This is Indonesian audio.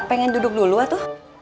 pengen duduk dulu atuh